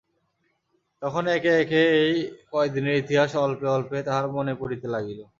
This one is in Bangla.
তখন একে একে এই কয়দিনের ইতিহাস অল্পে অল্পে তাঁহার মনে পড়িতে লাগিল।